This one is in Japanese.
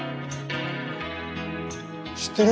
知ってる？